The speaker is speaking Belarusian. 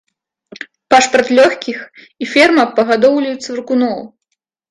Пашпарт лёгкіх і ферма па гадоўлі цвыркуноў.